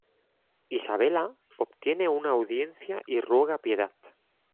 Isabella obtiene una audiencia y ruega piedad.